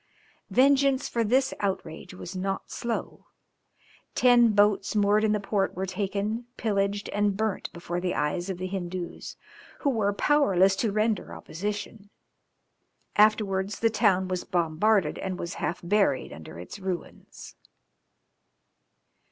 Vengeance for this outrage was not slow; ten boats moored in the port were taken, pillaged, and burnt before the eyes of the Hindoos, who were powerless to render opposition; afterwards the town was bombarded, and was half buried under its ruins.